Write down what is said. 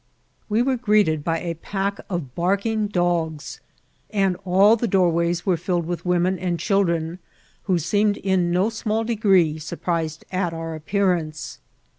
We were greeted by a pack of barking dogs, and all the door ways were filled with women and children, who seem ed in no small degree surprised at our appearance.